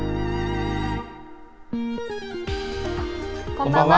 こんばんは。